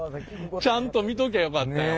ちゃんと見ときゃよかったよ。